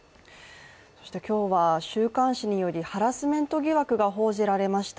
今日は週刊誌によりハラスメント疑惑が報じられました。